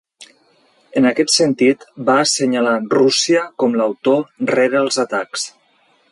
En aquest sentit, va assenyalar Rússia com l’autor rere els atacs.